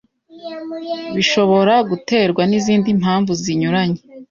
bishobora guterwa n’izindi mpamvu zinyuranye